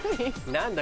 何だ？